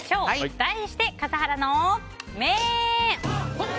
題して、笠原の眼。